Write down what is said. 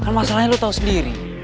kan masalahnya lo tau sendiri